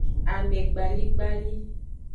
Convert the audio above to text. Amegbaligbali.